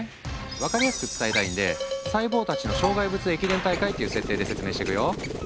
分かりやすく伝えたいんで細胞たちの障害物駅伝大会っていう設定で説明していくよ。